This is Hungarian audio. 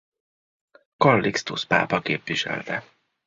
Kallixtusz pápa képviselte.